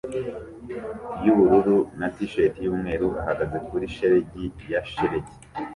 yubururu na t-shirt yumweru ahagaze kuri shelegi ya shelegi